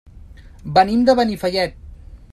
Venim de Benifallet.